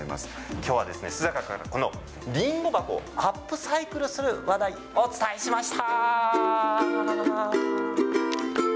今日は須坂から、このりんご箱をアップサイクルする話題お伝えしました。